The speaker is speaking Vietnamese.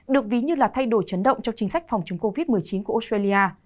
được ví như là thay đổi chấn động trong chính sách phòng chống covid một mươi chín của australia